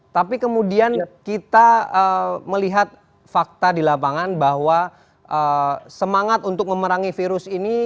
tapi kemudian kita melihat fakta di lapangan bahwa semangat untuk memerangi virus ini